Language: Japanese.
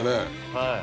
はい。